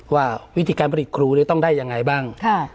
ว่าวิธีการผลิตครูต้องได้ยังไงบ้าง